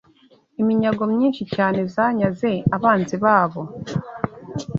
iminyago myinshi cyane zanyaze abanzi babo,